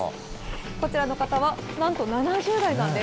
こちらの方は、なんと７０代なんです。